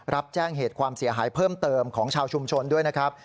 รับแจ้งเหตุความเสียหายเพิ่มเติมของชาวชุมชนด้วยนะครับ